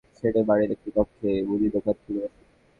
অসুস্থ হয়ে পড়ায় মালির কাজ ছেড়ে বাড়ির একটি কক্ষে মুদিদোকান খুলে বসেন।